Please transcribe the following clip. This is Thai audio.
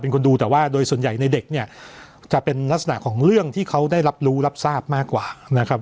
คนดูแต่ว่าโดยส่วนใหญ่ในเด็กเนี่ยจะเป็นลักษณะของเรื่องที่เขาได้รับรู้รับทราบมากกว่านะครับ